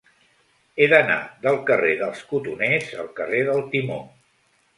He d'anar del carrer dels Cotoners al carrer del Timó.